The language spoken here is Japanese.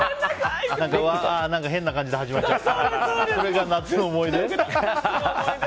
変な感じで始まっちゃったなっていうのが夏の思い出ね。